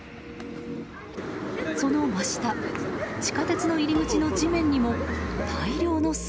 その真下、地下鉄の入り口の地面にも、大量の姿。